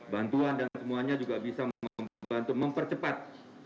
bantuan dan semuanya juga bisa membantu mempercepat